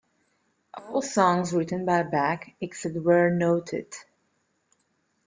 All songs written by Beck, except where noted.